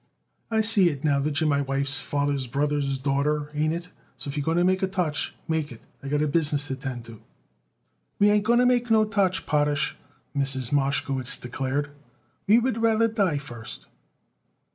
"I see it now that you're my wife's father's brother's daughter, ain't it? So if you're going to make a touch, make it. I got business to attend to." "We ain't going to make no touch, Potash," Mrs. Mashkowitz declared. "We would rather die first."